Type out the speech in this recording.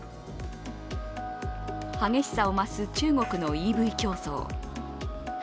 激しさを増す中国のＥＶ競争。